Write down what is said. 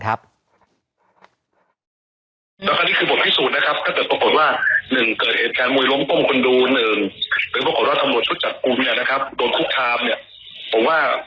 เราโจทย์ตรงนี้เราบอกว่าประชาชนอย่าเพิ่งจบคำว่า